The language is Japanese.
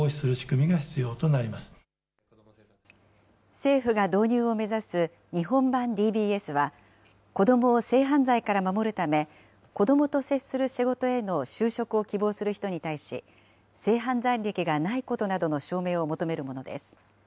政府が導入を目指す日本版ＤＢＳは、子どもを性犯罪から守るため、子どもと接する仕事への就職を希望する人に対し、性犯罪歴がないことなどの証明を求めるものです。